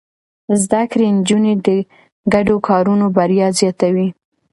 زده کړې نجونې د ګډو کارونو بريا زياتوي.